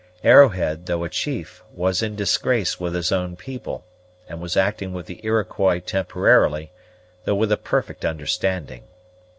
Arrowhead, though a chief, was in disgrace with his own people, and was acting with the Iroquois temporarily, though with a perfect understanding.